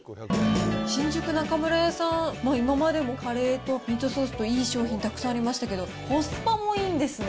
新宿中村屋さん、今までもカレーとミートソースと、いい商品たくさんありましたけど、コスパもいいんですね。